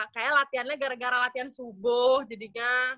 kayaknya latihannya gara gara latihan subuh jadinya